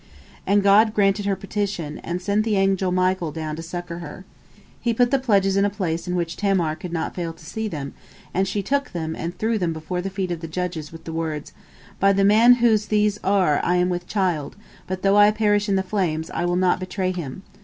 And God granted her petition, and sent the angel Michael down to succor her. He put the pledges in a place in which Tamar could not fail to see them, and she took them, and threw them before the feet of the judges, with the words: "By the man whose these are am I with child, but though I perish in the flames, I will not betray him.